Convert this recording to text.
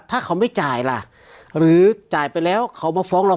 ถ้าเขาไม่จ่ายล่ะหรือจ่ายไปแล้วเขามาฟ้องเรา